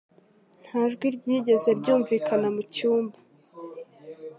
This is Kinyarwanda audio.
Nta jwi ryigeze ryumvikana mu cyumba